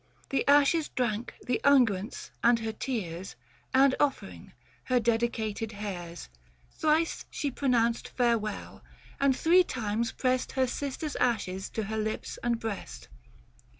The ashes drank the unguents and her tears And offering — her dedicated hairs ; Thrice she pronounced farewell, and three times pressed Her sister's ashes to her lips and breast.